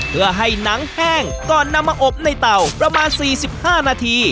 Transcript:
เพื่อให้หนังแห้งก่อนนำมาอบในเต่าประมาณ๔๕นาที